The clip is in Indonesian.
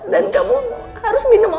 dan kamu harus minum obat